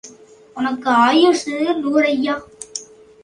உனக்கு ஆயுசு நூறய்யா!